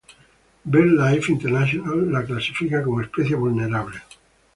BirdLife International la clasifica como especie vulnerable.